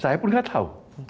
saya pun gak tahu